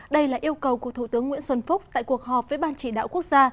đây là yêu cầu của thủ tướng nguyễn xuân phúc tại cuộc họp với ban chỉ đạo quốc gia